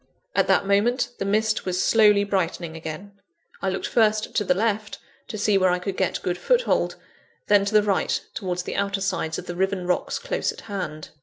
At that moment, the mist was slowly brightening again. I looked first to the left, to see where I could get good foothold then to the right, towards the outer sides of the riven rocks close at hand.